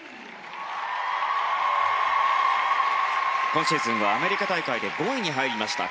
今シーズンはアメリカ大会で５位に入りました。